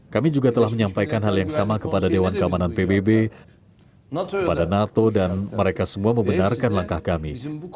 kami juga telah menyampaikan hal yang sama kepada dewan keamanan pbb kepada nato dan mereka semua membenarkan langkah kami